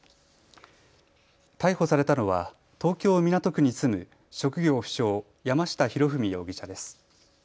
逮捕されたのは東京港区に住む職業不詳、山下裕史容疑者です。